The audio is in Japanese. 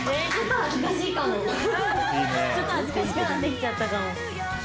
ちょっと恥ずかしくなってきちゃったかも。